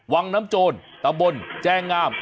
วังน้ำโจรตำบลแจงงาม